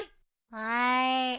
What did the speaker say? はい。